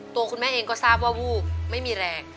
ตัวคุณแม่เองก็ทราบว่าวูบไม่มีแรง